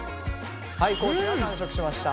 はい地が完食しました。